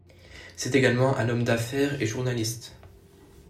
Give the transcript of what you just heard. C'est également un homme d'affaires et journaliste.